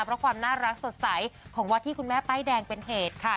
เพราะความน่ารักสดใสของวัดที่คุณแม่ป้ายแดงเป็นเหตุค่ะ